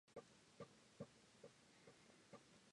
The dam at the east end of the reservoir is across and high.